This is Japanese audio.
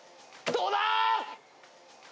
どうだ！？